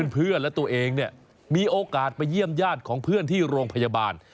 เพื่อนและตัวเองเนี่ยมีโอกาสไปเยี่ยมญาติของเพื่อนที่โรงพยาบาล